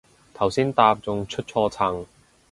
頭先搭仲出錯層